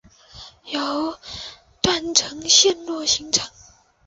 由断层陷落形成。